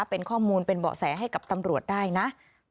เป็นข้อมูลเป็นเบาะแสให้กับตำรวจได้นะ